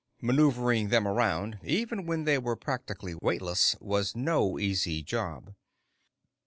Maneuvering them around, even when they were practically weightless, was no easy job.